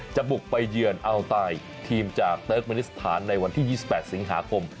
บุกไปเยือนอัลตายทีมจากเติร์กเมนิสถานในวันที่๒๘สิงหาคม